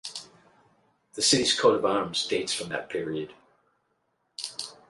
The city's coat of arms dates from that period.